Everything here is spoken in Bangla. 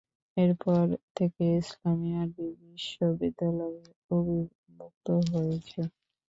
এরপর থেকে ইসলামি আরবি বিশ্ববিদ্যালয়ের অধিভুক্ত হয়েছে।